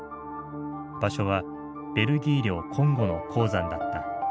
場所はベルギー領コンゴの鉱山だった。